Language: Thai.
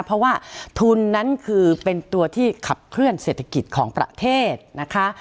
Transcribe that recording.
เพราะว่าทุนนั้นคือเป็นตัวที่ขับเคลื่อนเศรษฐกิจของประเทศนะคะ